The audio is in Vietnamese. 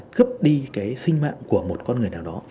cướp đi cái sinh mạng của một con người nào đó